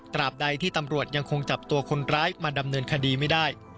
บใดที่ตำรวจยังคงจับตัวคนร้ายมาดำเนินคดีไม่ได้